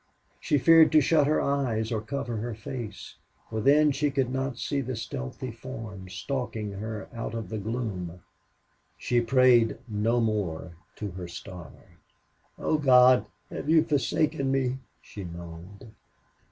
She feared to shut her eyes or cover her face, for then she could not see the stealthy forms stalking her out of the gloom. She prayed no more to her star. "Oh, God, have you forsaken me?" she moaned.